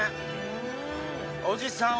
おじさん